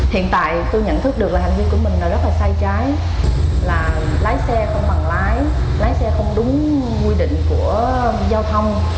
hiện tại tôi nhận thức được là hành vi của mình là rất là sai trái là lái xe không bằng lái lái xe không đúng quy định của giao thông